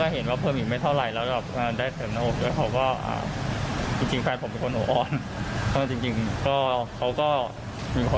เห็นมันพี่ว่าจะเสริมที่หน้าอกได้